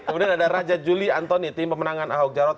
kemudian ada raja juli antoni tim pemenangan ahok jarot